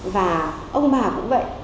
và ông bà cũng vậy